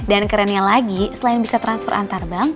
dan kerennya lagi selain bisa transfer antar bank